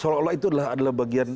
seolah olah itu adalah bagian